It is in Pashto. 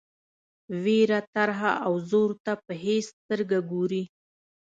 وېره ترهه او زور ته په هیڅ سترګه ګوري.